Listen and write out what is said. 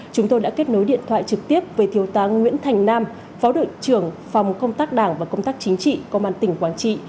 chúng tôi đã kết nối điện thoại trực tiếp với thiếu tá nguyễn thành nam phó đội trưởng phòng công tác đảng và công tác chính trị công an tỉnh quảng trị